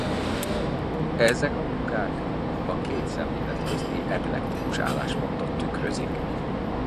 Ezek a munkák a két szemlélet közti eklektikus álláspontot tükrözik.